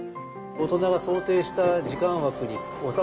大人が想定した時間枠に収まる